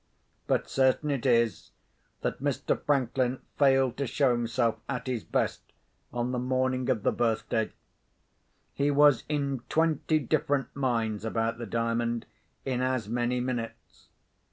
But certain it is, that Mr. Franklin failed to show himself at his best on the morning of the birthday. He was in twenty different minds about the Diamond in as many minutes.